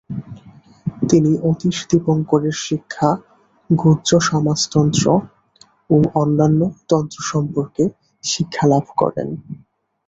তিনি অতীশ দীপঙ্করের শিক্ষা, গুহ্যসমাজতন্ত্র ও অন্যান্য তন্ত্র সম্বন্ধে শিক্ষালাভ করেন।